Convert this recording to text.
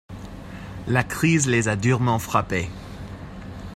La crise les a durement frappés.